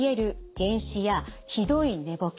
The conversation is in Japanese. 幻視やひどい寝ぼけ